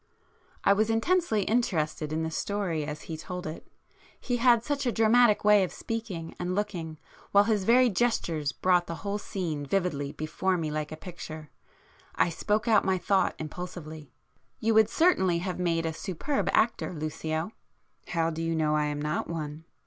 I was intensely interested in the story as he told it,—he had such a dramatic way of speaking and looking, while his [p 105] very gestures brought the whole scene vividly before me like a picture. I spoke out my thought impulsively. "You would certainly have made a superb actor, Lucio!" "How do you know I am not one?"